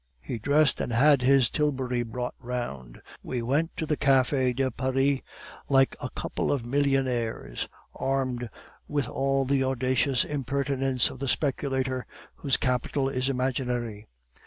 "He dressed, and had his tilbury brought round. We went to the Cafe de Paris like a couple of millionaires, armed with all the audacious impertinence of the speculator whose capital is imaginary.